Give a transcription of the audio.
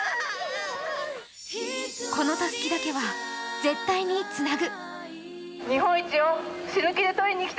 このたすきだけは絶対につなぐ。